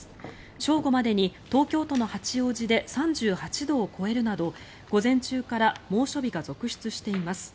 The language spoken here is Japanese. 正午までに東京都の八王子で３８度を超えるなど午前中から猛暑日が続出しています。